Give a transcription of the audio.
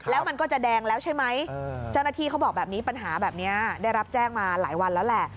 แล้วมันก็จะแดงแล้วใช่ไหมเจ้าหน้าที่เขาบอกแบบนี้ปัญหาแบบนี้ได้รับแจ้งมาหลายวันแล้วแหละ